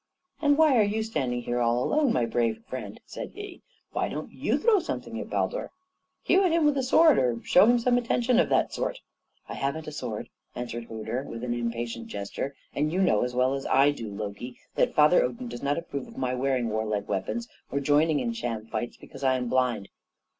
"And why are you standing here all alone, my brave friend?" said he. "Why don't you throw something at Baldur? Hew at him with a sword, or show him some attention of that sort." "I haven't a sword," answered Hödur, with an impatient gesture; "and you know as well as I do, Loki, that Father Odin does not approve of my wearing warlike weapons, or joining in sham fights, because I am blind."